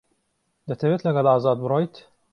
دەتەوێت لەگەڵ ئازاد بڕۆیت؟